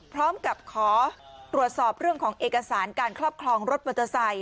พร้อมกับขอตรวจสอบเรื่องของเอกสารการครอบครองรถมอเตอร์ไซค